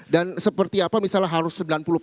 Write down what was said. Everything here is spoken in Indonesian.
dan seperti apa misalnya harus sembilan puluh kah